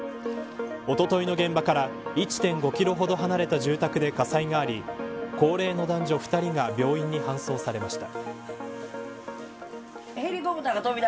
おとといの現場から１．５キロほど離れた住宅で火災があり高齢の男女２人が病院に搬送されました。